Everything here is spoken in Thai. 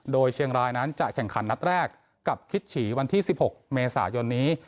โดยเชียงรายนั้นจะแข่งขันนัดแรกกับคิดฉีวันที่๑๖เมษายนนี้